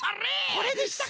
これでしたか。